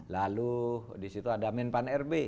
lalu disitu ada min pan rb